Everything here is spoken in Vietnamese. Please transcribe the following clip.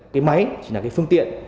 cái máy chỉ là cái phương tiện